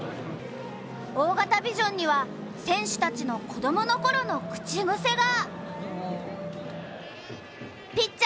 大型ビジョンには選手たちの子供のころの口癖が。